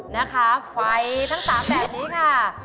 นะคะไฟทั้ง๓แบบนี้ค่ะ